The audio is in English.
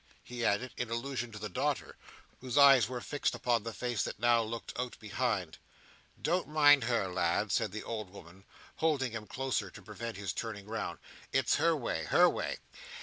he added, in allusion to the daughter, whose eyes were fixed upon the face that now again looked out behind. "Don't mind her, lad," said the old woman, holding him closer to prevent his turning round. "It's her way—her way.